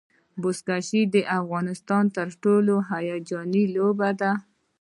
بزکشي د افغانستان تر ټولو هیجاني لوبه ده.